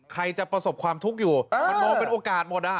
ใครจะประสบความทุกข์อยู่มันมองเป็นโอกาสหมด